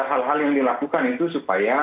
hal hal yang dilakukan itu supaya